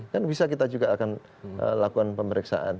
kan bisa kita juga akan lakukan pemeriksaan